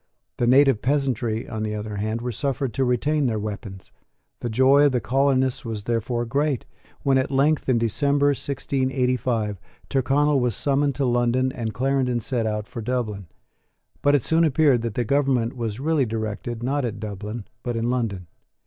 The native peasantry, on the other hand, were suffered to retain their weapons. The joy of the colonists was therefore great, when at length, in December 1685, Tyrconnel was summoned to London and Clarendon set out for Dublin. But it soon appeared that the government was really directed, not at Dublin, but in London.